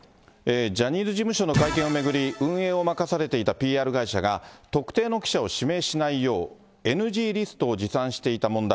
ジャニーズ事務所の会見を巡り、運営を任されていたＰＲ会社が、特定の記者を指名しないよう、ＮＧリストを持参していた問題。